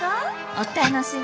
お楽しみ？